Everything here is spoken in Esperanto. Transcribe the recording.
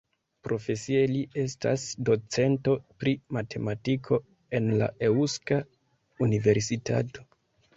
Profesie li estas docento pri matematiko en la Eŭska Universitato.